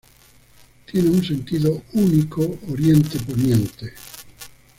Tiene un sentido único oriente-poniente.